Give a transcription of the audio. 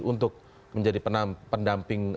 untuk menjadi pendamping